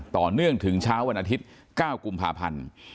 ต่อเนื่องถึงเช้าวันอาทิตย์๙กุมภาพันธ์